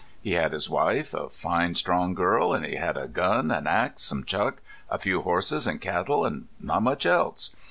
He had his wife, a fine, strong girl, and he had a gun, an axe, some chuck, a few horses and cattle, and not much else.